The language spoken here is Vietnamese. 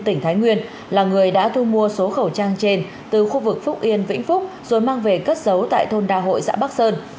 tỉnh thái nguyên là người đã thu mua số khẩu trang trên từ khu vực phúc yên vĩnh phúc rồi mang về cất giấu tại thôn đa hội xã bắc sơn